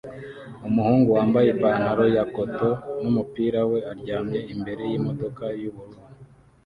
Umuhungu wambaye ipantaro ya cotoon numupira we aryamye imbere yimodoka yubururu